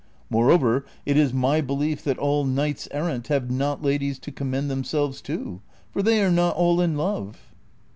More over, it is my belief that all knights errant have not ladies to commend themselves to, for they are not all in love."